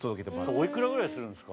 おいくらぐらいするんですか？